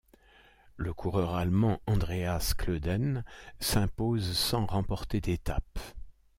Le coureur allemand Andreas Klöden s'impose sans remporter d'étape.